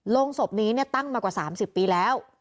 โรงศพนี้ตั้งมากว่า๓๐ปีแล้ว